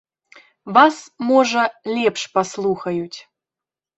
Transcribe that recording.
Вас, можа, лепш паслухаюць.